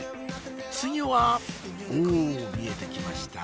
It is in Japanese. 次はお見えてきました